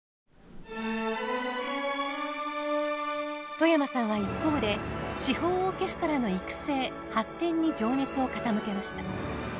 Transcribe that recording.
外山さんは一方で地方オーケストラの育成発展に情熱を傾けました。